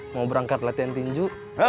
mau berangkat latihan tinju